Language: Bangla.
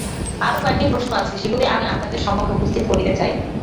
আরও কয়েকটি প্রশ্ন আছে, সেগুলি আমি আপনাদের সমক্ষে উপস্থিত করিতে চাই।